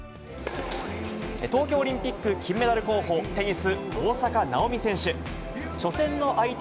東京オリンピック金メダル候補、テニス、大坂なおみ選手。